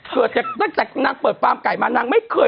เกือบจากนางเปิดฟาร์มไก่มานางไม่เคย